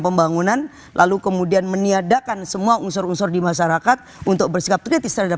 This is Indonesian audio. pembangunan lalu kemudian meniadakan semua unsur unsur di masyarakat untuk bersikap kritis terhadap